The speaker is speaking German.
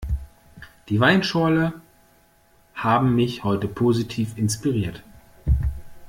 Die Weinschorle haben mich heute positiv inspiriert.